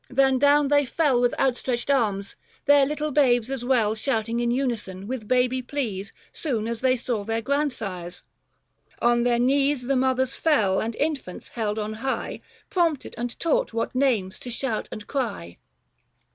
Then down they fell With outstretched arms, their little babes as well Shouting in unison, with baby pleas Soon as they saw their grandsires. On their knees 235 The mothers fell, and infants held on high, Prompted and taught what names to shout and cry.